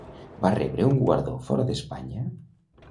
Va rebre un guardó fora d'Espanya?